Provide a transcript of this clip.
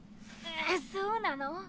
そうなの？